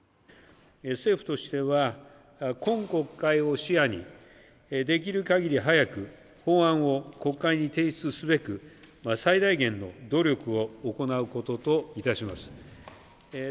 政府としては今国会を視野にできる限り早く法案を国会に提出すべく最大限の努力を行うことといたします。